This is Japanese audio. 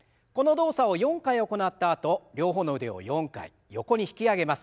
この動作を４回行ったあと両方の腕を４回横に引き上げます。